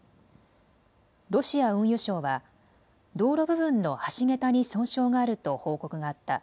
ロシア運輸省は道路部分の橋桁に損傷があると報告があった。